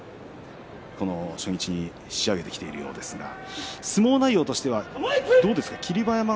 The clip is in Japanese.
この初日に仕上げてきてるようですが相撲内容としてはどうですか霧馬山は。